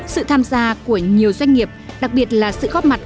sự tham gia của nhiều doanh nghiệp đặc biệt là sự góp mặt